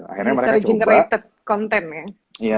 akhirnya mereka coba